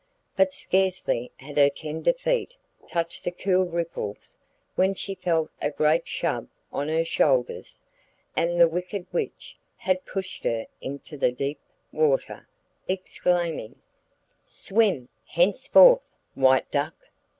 But scarcely had her tender feet touched the cool ripples when she felt a great shove on her shoulders, and the wicked witch had pushed her into the deep water, exclaiming: 'Swim henceforth, White Duck!